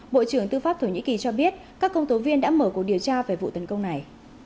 bộ trưởng tư pháp thổ nhĩ kỳ cho biết các công tố viên đã mở cuộc điều tra về vụ tấn công này